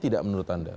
tidak menurut anda